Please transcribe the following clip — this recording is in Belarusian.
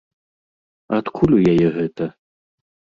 Адкуль у яе гэта?